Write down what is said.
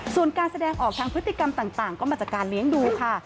ส่วนการแสดงออกทางพฤติกรรมต่างก็มาจากการเลี้ยงดูค่ะ